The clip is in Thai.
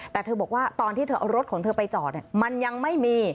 แต่เธอบอกว่าตอนที่เธอเอารถของเธอไปจอดมันยังไม่มี